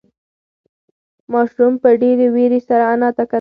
ماشوم په ډېرې وېرې سره انا ته کتل.